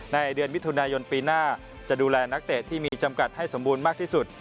ในเดือนมิถุนายนปีหน้าจะดูแลนักเตะที่มีจำกัดให้สมบูรณ์มากที่สุด